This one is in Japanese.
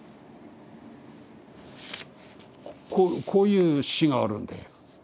こういう詩があるんだよ。